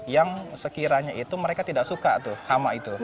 yang sekiranya itu mereka tidak suka tuh hama itu